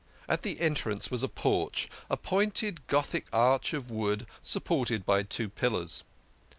At the entrance was a porch a pointed Gothic arch of wood supported by two pillars.